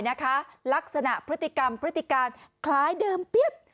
นะคะลักษณะพฤติกรรมพฤติการคล้ายเดิมแป๊ะ